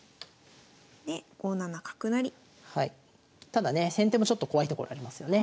ただね先手もちょっと怖いところありますよね。